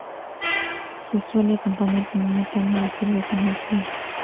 Se suele acompañar con una caña de cerveza muy fría.